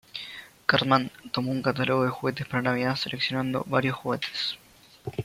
Cartman toma un catálogo de juguetes para navidad seleccionado varios juguetes.